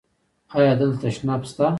ایا دلته تشناب شته؟